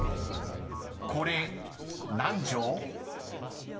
［これ何錠？］